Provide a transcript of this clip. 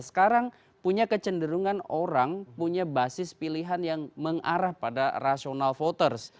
sekarang punya kecenderungan orang punya basis pilihan yang mengarah pada rasional voters